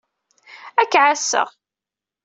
Ad k-ɛasseɣ.